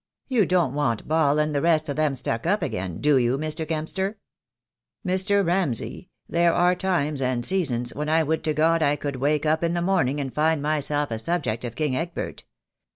You don't want Baal and the rest of them stuck up again, do you, Mr. Kempster?" "Mr. Ramsay, there are times and seasons when I would to God I could wake up in the morning and find myself a subject of King Egbert.